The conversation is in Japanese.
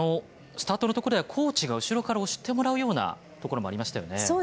スタートのところではコーチに後ろから押してもらうところもありました。